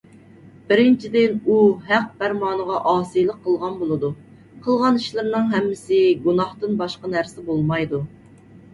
بىرىنچىدىن، ئۇ ھەق پەرمانىغا ئاسىيلىق قىلغان بولىدۇ. قىلغان ئىشلىرىنىڭ ھەممىسى گۇناھتىن باشقا نەرسە بولمايدۇ.